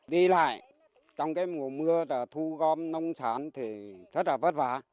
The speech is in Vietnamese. đi lại trong cái mùa mưa là thu gom nông sản thì rất là vất vả